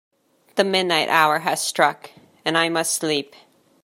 The midnight hour has struck, and I must sleep.